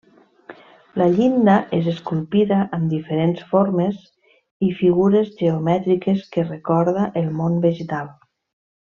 La llinda és esculpida amb diferents formes i figures geomètriques que recorda el món vegetal.